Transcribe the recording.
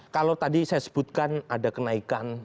kalau tadi saya sebutkan ada kenaikan